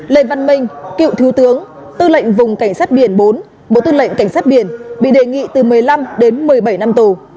lê văn minh cựu thiếu tướng tư lệnh vùng cảnh sát biển bốn bộ tư lệnh cảnh sát biển bị đề nghị từ một mươi năm đến một mươi bảy năm tù